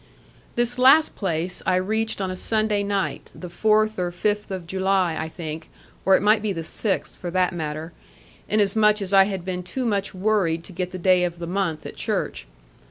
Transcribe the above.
This last place I reached on a Sunday night, the fourth or fifth of July, I think or it might be the sixth, for that matter; inasmuch as I had been too much worried to get the day of the month at church.